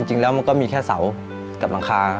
จริงแล้วมันก็มีแค่เสากับหลังคา